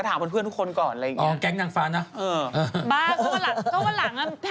จริงหรือไม่จริงฉันว่าคุณรู้เธอ